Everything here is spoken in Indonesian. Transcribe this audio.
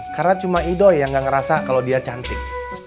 karena cuma ido yang gak ngerasa kalau dia cantik